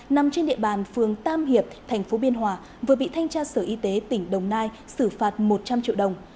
nằm trên địa bàn phường tam hiệp tp biên hòa vừa bị thanh tra sở y tế tỉnh đồng nai xử phạt một trăm linh triệu đồng